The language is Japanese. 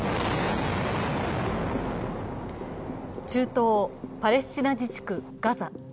中東パレスチナ自治区ガザ。